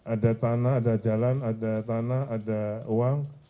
ada tanah ada jalan ada tanah ada uang